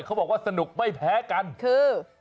เขาบอกว่าสนุกไม่แพ้กันคือ